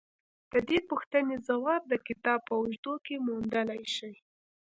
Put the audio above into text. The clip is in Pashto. د دې پوښتنې ځواب د کتاب په اوږدو کې موندلای شئ